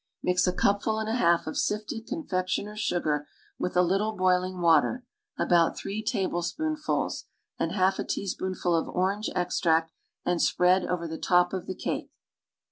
Mix a cupful and a half of sifted confec tioner's sugar with a little boiling water (about three tablespoonfuls) and half a teaspoonful of orange extract and spread over the top of the cake.